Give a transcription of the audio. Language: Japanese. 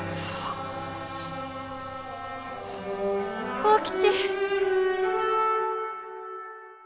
幸吉！